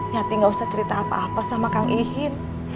hati gak usah cerita apa apa sama kang ihin